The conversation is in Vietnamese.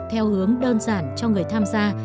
theo hướng đơn giản cho người tham gia